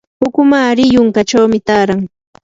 ukumari yunkachawmi taaran.